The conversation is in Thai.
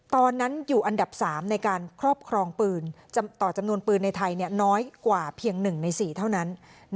ตอนนั้นอยู่อันดับ๓ในการครอบครองปืนต่อจำนวนปืนในไทยน้อยกว่าเพียง๑ใน๔เท่านั้น